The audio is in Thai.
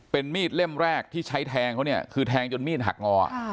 เป็นมีดเล่มแรกที่ใช้แทงเขาเนี่ยคือแทงจนมีดหักงอ